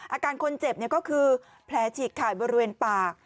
อาการคนเจ็บเนี้ยก็คือแผลฉีกค่ะบริเวณปาก